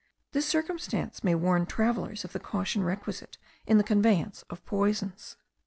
This circumstance may warn travellers of the caution requisite in the conveyance of poisons.